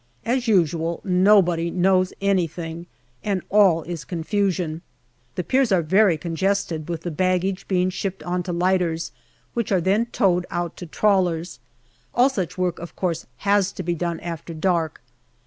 As usual, nobody knows anything, and all is confusion. The piers are very congested with the baggage being shipped on to lighters, which are then towed out to trawlers. ADTsuch work, of course, has to be done after dark.